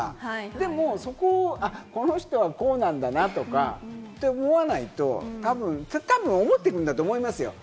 でも、そこをこの人はこうなんだなとか、って思わないと、たぶん、思っていくんだと思いますよ。